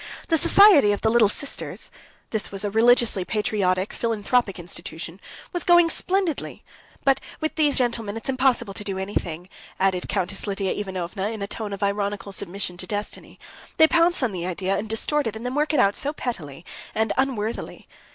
The Society of the Little Sisters" (this was a religiously patriotic, philanthropic institution) "was going splendidly, but with these gentlemen it's impossible to do anything," added Countess Lidia Ivanovna in a tone of ironical submission to destiny. "They pounce on the idea, and distort it, and then work it out so pettily and unworthily.